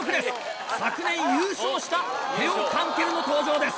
昨年優勝したテオカンケルの登場です！